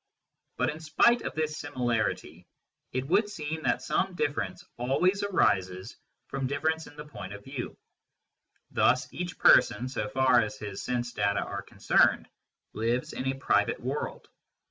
But, in spite of this similarity, it would seem that some difference always arises from difference in the point of view. Thus each person, so far as his sense data are con cerned, lives in a private world.